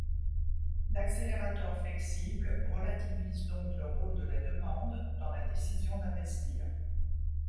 L'accélérateur flexible relativise donc le rôle de la demande dans la décision d'investir.